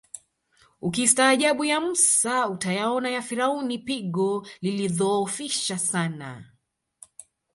Ukistaajabu ya Mussa utayaona ya Firauni pigo lilidhoofisha sana